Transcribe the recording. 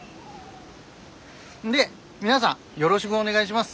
で皆さんよろしくお願いします。